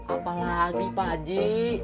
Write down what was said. apa lagi pak haji